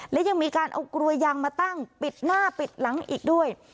และยังมีการเอากลวยยางมาตั้งปิดหน้าปิดหลังอีกด้วย